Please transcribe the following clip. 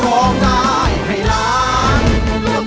ร้องได้ให้ล้าน